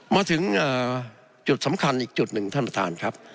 มาถึงจุดสำคัญอีกจุดหนึ่งท่านประธานครับ